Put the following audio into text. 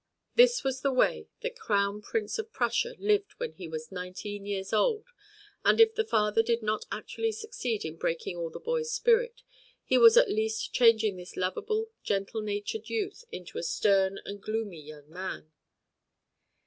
This was the way the Crown Prince of Prussia lived when he was nineteen years old, and if the father did not actually succeed in breaking all the boy's spirit, he was at least changing this lovable, gentle natured youth into a stern and gloomy young man.